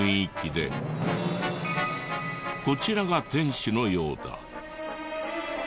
こちらが店主のようだ。